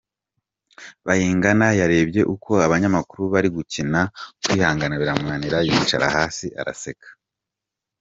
Bayingana yarebye uko abanyamakuru bari gukina kwihangana biramunanira yicara hasi araseka.